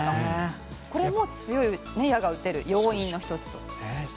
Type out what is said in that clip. これも強い矢が撃てる要因の１つです。